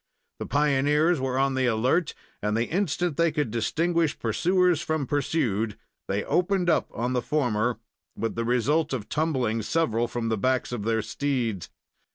The pioneers were on the alert, and the instant they could distinguish pursuers from pursued, they opened on the former, with the result of tumbling several from the backs of their steeds.